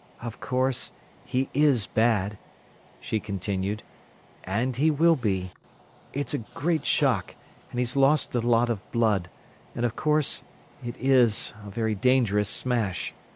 "Of course, he is bad," she continued, "and he will be. It's a great shock, and he's lost a lot of blood; and, of course, it is a very dangerous smash.